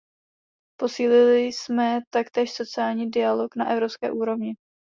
Posílili jsme taktéž sociální dialog na evropské úrovni.